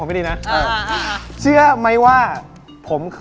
ต้องเป็นคนเจนซิธีบมาก